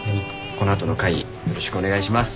この後の会議よろしくお願いします。